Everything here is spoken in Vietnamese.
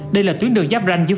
đây là tuyến đường hoàng minh giám